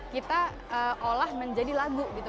kita olah menjadi lagu gitu